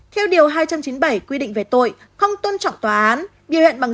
theo điều hai trăm chín mươi bảy quy định về tội không tôn trọng tòa án